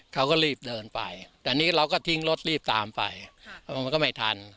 เขาก็รีบเดินไปแต่นี่เราก็ทิ้งรถรีบตามไปมันก็ไม่ทัน